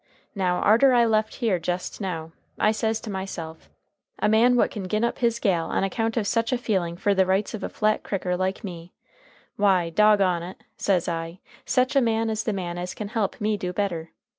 Now, arter I left here jest now, I says to myself, a man what can gin up his gal on account of sech a feeling fer the rights of a Flat Cricker like me, why, dog on it, says I, sech a man is the man as can help me do better.